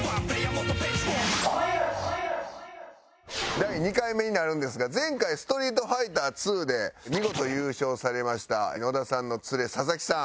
第２回目になるんですが前回『ストリートファイターⅡ』で見事優勝されました野田さんのツレ佐々木さん